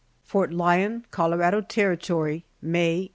FORT LYON, COLORADO TERRITORY, May, 1874.